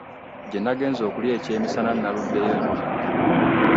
Gye nagenze okulya ekyemisana naluddeyo nnyo.